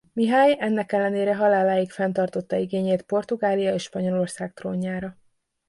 Mihály ennek ellenére haláláig fenntartotta igényét Portugália és Spanyolország trónjára.